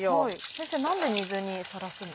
先生何で水にさらすんですか？